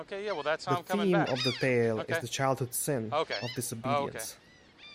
The theme of the tale is the childhood sin of disobedience.